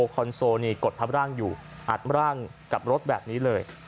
คอนโซลนี่กดทับร่างอยู่อัดร่างกับรถแบบนี้เลย